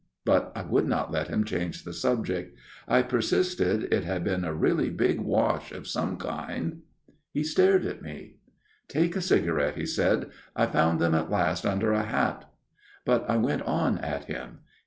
" But I would not let him change the subject. I persisted it had been a really big wash of some kind. 60 A MIRROR OF SHALOTT " He stared at me. "' Take a cigarette/ he said, ' I found them at last under a hat/ " But I went on at him.